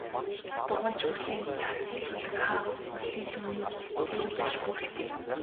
Дуганч нь хурлыг цагт нь эхлүүлэх, хаах, хурлын сүмийг цэвэр байлгах үүрэгтэй.